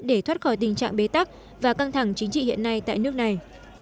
để thoát khỏi tình trạng bế tắc và căng thẳng chính trị hiện nay tại nước này